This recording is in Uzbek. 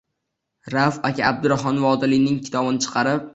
Rauf aka Abdurahmon Vodiliyning kitobini chiqarib